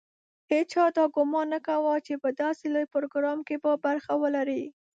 هېچا دا ګومان نه کاوه چې په داسې لوی پروګرام کې به برخه ولري.